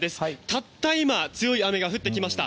たった今強い雨が降ってきました。